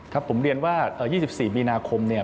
ผมเรียนว่า๒๔มีนาคมเนี่ย